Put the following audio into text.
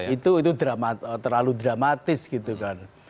itu terlalu dramatis gitu kan